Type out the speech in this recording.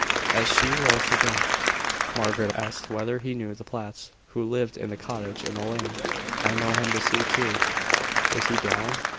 As she rose to go, Margaret asked whether he knew the Platts, who lived in the cottage in the lane. "I know him to see to. Is he down?"